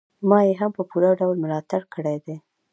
ما يې هم په پوره ډول ملاتړ کړی دی.